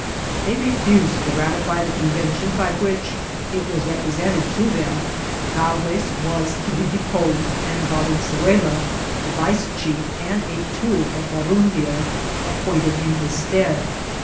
They re&sed to ratify the convention by which, it was represented to them, Galvez was to be deposed, and Valenzuela, the vice^chief^ and a tool of Barundia, appointed in his stead.